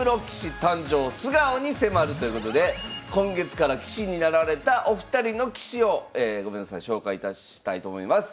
今日はということで今月から棋士になられたお二人の棋士をえごめんなさい紹介いたしたいと思います。